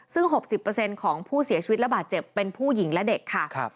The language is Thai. ซึ่ง๖๐ของผู้เสียชีวิตระบาดเจ็บเป็นผู้หญิงและเด็กค่ะ